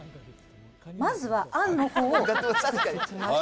まずはあんのほうを作っていきます。